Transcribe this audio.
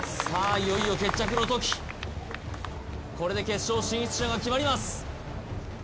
いよいよ決着の時これで決勝進出者が決まります